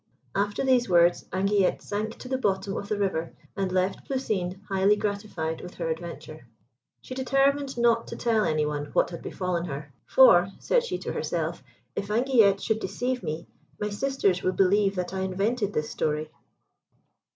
After these words, Anguillette sank to the bottom of the river, and left Plousine highly gratified with her adventure. She determined not to tell any one what had befallen her, "For," said she, to herself, "if Anguillette should deceive me, my sisters will believe that I invented this story."